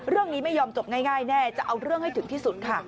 เรื่องนี้ไม่ยอมจบง่ายแน่จะเอาเรื่องให้ถึงที่สุดค่ะ